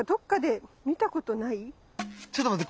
ちょっと待って。